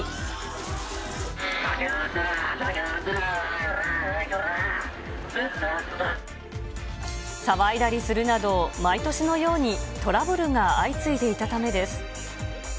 酒飲ませろよ、酒飲ませろよ、騒いだりするなど、毎年のようにトラブルが相次いでいたためです。